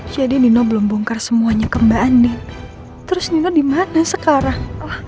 jadi nino belum bongkar semuanya ke mbak andin terus nino dimana sekarang